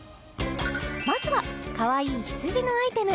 まずはかわいい羊のアイテム